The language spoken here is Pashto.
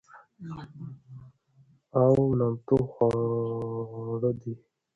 او نامتو خواړه دي،